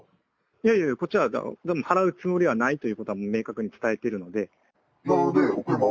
いやいや、もうこっちは払うつもりはないということは明確に伝えているので。